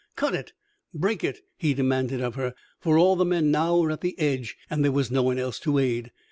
"Cut it break it!" he demanded of her; for all the men now were at the edge, and there was no one else to aid.